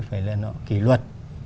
phải là kỷ luật